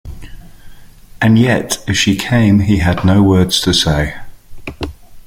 And yet if she came he had no words to say.